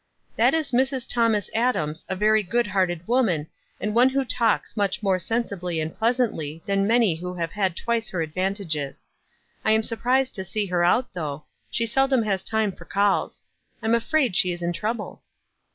"That is Mrs. Thomas Adams, a very good hearted woman, and one who talks much more sensibly and pleasantly than many who have had twice her advantages. I am surprised to see her out, though. She seldom has time for calls. I'm afraid she is in trouble."